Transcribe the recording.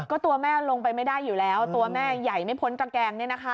ก็ตัวแม่ลงไปไม่ได้อยู่แล้วตัวแม่ใหญ่ไม่พ้นตระแกง